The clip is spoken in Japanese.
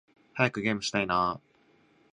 早くゲームしたいな〜〜〜